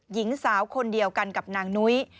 หญิงสาวคนเดียวกันกับนางนุ้ย